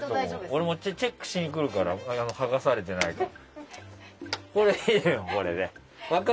俺、チェックしに来るから剥がされてないか。